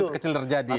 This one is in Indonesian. itu kecil terjadi ya